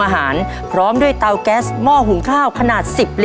ทางโรงเรียนยังได้จัดซื้อหม้อหุงข้าวขนาด๑๐ลิตร